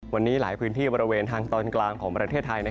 วันนี้หลายพื้นที่บริเวณทางตอนกลางของประเทศไทย